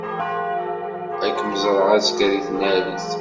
Ad kem-ẓreɣ azekka deg tnarit.